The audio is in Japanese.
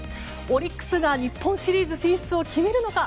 オリックスが日本シリーズ進出を決めるのか